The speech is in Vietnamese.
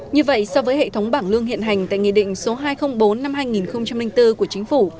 như vậy so với hệ thống bảng lương hiện hành tại nghị định số hai trăm linh bốn năm hai nghìn bốn của chính phủ